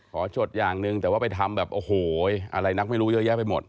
จดอย่างหนึ่งแต่ว่าไปทำแบบโอ้โหอะไรนักไม่รู้เยอะแยะไปหมด